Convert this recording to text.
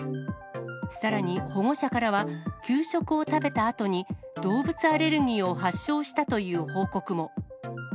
さらに、保護者からは、給食を食べたあとに動物アレルギーを発症したという報告も。